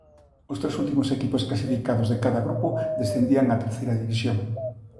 Os tres últimos equipos clasificados de cada grupo descendían a Terceira División.